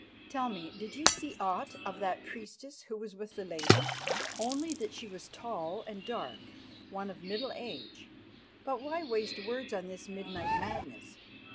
Tell me, did you see aught of that priestess who was with the lady?" "Only that she was tall and dark, one of middle age. But why waste words on this midnight madness?